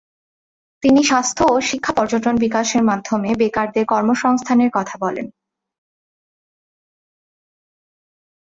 তিনি স্বাস্থ্য ও শিক্ষা পর্যটন বিকাশের মাধ্যমে বেকারদের কর্মসংস্থানের কথা বলেন।